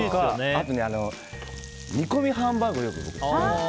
あと、煮込みハンバーグをよく作ります。